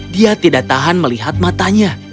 dia tidak tahan melihat matanya